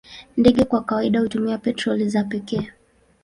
Ndege kwa kawaida hutumia petroli za pekee.